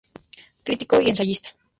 Crítico y ensayista.